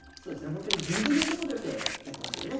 ほんとにぎりぎりのところでやってますよね。